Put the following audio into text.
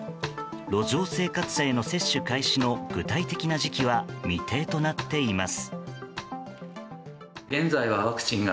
路上生活者への接種開始の具体的な時期は未定となっています。